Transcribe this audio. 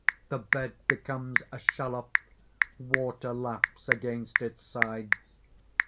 The bed becomes a shallop; water laps against its sides.